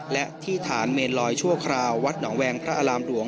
และที่ฐานเมนลอยชั่วคราววัดหนองแวงพระอารามหลวง